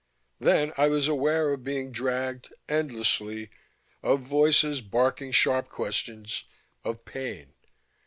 Then I was aware of being dragged, endlessly, of voices barking sharp questions, of pain....